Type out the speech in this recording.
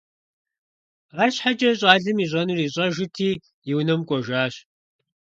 АрщхьэкӀэ щӀалэм ищӀэнур ищӀэжырти, и унэм кӀуэжащ.